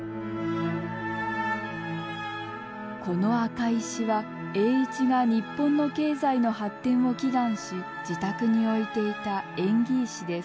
この赤石は栄一が日本の経済の発展を祈願し自宅に置いていた縁起石です。